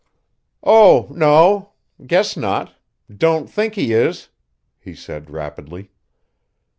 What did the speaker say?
"Oh, no. Guess not. Don't think he is," he said rapidly.